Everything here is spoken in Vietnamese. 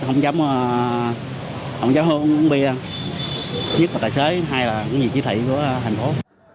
không dám hôn uống bia nhất là tài xế hai là cũng vì chỉ thị của thành phố